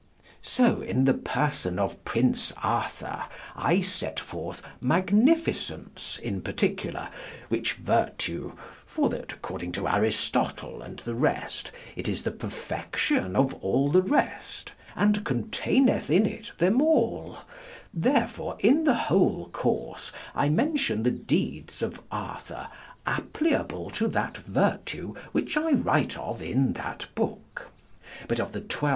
So in the person of Prince Arthure I sette forth magnificence in particular, which vertue, for that (according to Aristotle and the rest) it is the perfection of all the rest, and conteineth in it them all, therefore in the whole course I mention the deedes of Arthure applyable to that vertue which I write of in that booke. But of the xii.